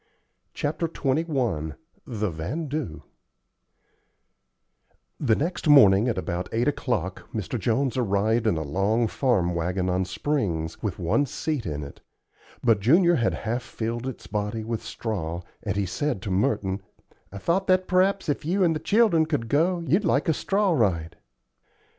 CHAPTER XXI THE "VANDOO" The next morning at about eight o'clock Mr. Jones arrived in a long farm wagon on springs, with one seat in it; but Junior had half filled its body with straw, and he said to Merton, "I thought that p'raps, if you and the children could go, you'd like a straw ride."